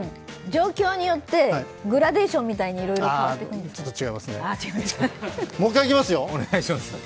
状況によってグラデーションみたいにいろいろ変わっていくんじゃないですか？